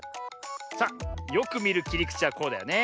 さあよくみるきりくちはこうだよね。